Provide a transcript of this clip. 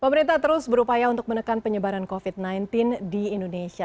pemerintah terus berupaya untuk menekan penyebaran covid sembilan belas di indonesia